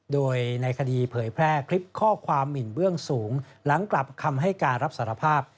โดยในคดีเผยแพร่คลิปข้อความหมินเบื้องสูงหลังกลับคำให้การรับสารภาพ